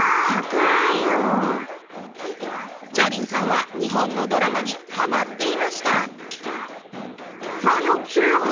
佳伶さんは日本のドラマにハマっていました。